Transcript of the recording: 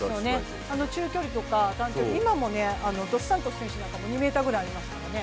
中距離とか短距離、今もドス・サントス選手なんかも２ｍくらいありますからね。